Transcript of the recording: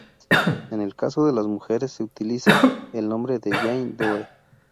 En el caso de las mujeres se utiliza el nombre de Jane Doe.